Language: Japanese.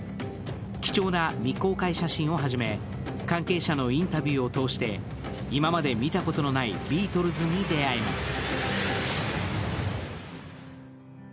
貴重な未公開写真をはじめ関係者のインタビューを通して今まで見たことのないビートルズに出会えます。